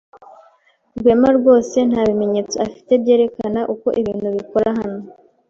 Rwema rwose nta bimenyetso afite byerekana uko ibintu bikora hano.